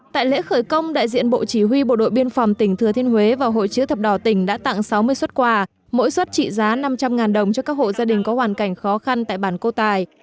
tại lễ khởi công đại diện bộ chỉ huy bộ đội biên phòng tỉnh thừa thiên huế và hội chứa thập đỏ tỉnh đã tặng sáu mươi xuất quà mỗi xuất trị giá năm trăm linh đồng cho các hộ gia đình có hoàn cảnh khó khăn tại bản cô tài